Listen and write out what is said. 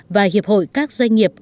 và hiệp hội các doanh nghiệp